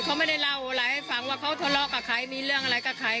เขาไม่ได้เล่าอะไรให้ฟังว่าเขาทะเลาะกับใครมีเรื่องอะไรกับใคร